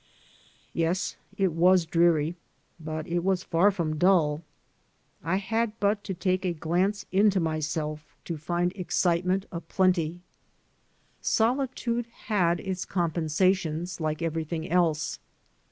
Yes, it was dreary, but it was far from dull. I had but to take a glance into myself to find excitement THE FRUITS OF SOLITUDE a plenty. Solitude had its compensations, like every thing else.